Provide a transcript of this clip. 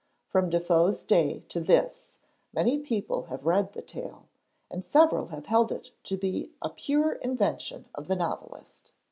"' From Defoe's day to this many people have read the tale, and several have held it to be a pure invention of the novelist.